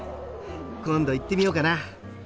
今度行ってみようかな。